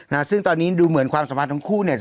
นะซึ่งตอนนี้ดูเหมือนความสัมพันธ์ทั้งคู่เนี่ย